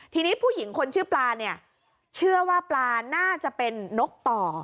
ทีนี้ผู้หญิงคนชื่อปลาเนี่ยเชื่อว่าปลาน่าจะเป็นนกต่อ